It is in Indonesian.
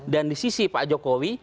dan di sisi pak jokowi